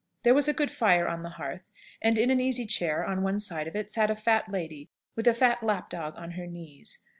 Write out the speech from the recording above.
There was a good fire on the hearth, and in an easy chair on one side of it sat a fat lady, with a fat lap dog on her knees.